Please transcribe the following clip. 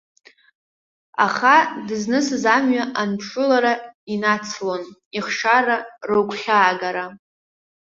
Аха дызнысыз амҩа анԥшылара инацлон ихшара рыгәхьаагара.